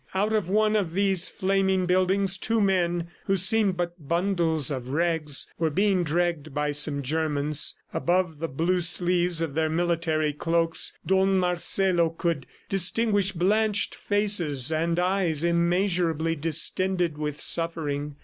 Out of one of these flaming buildings two men, who seemed but bundles of rags, were being dragged by some Germans. Above the blue sleeves of their military cloaks Don Marcelo could distinguish blanched faces and eyes immeasurably distended with suffering.